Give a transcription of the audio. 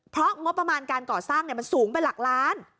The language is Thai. เพราะงบประมาณการก่อสร้างมันสูงเป็นหลักล้าน